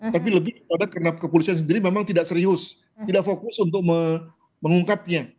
tapi lebih kepada karena kepolisian sendiri memang tidak serius tidak fokus untuk mengungkapnya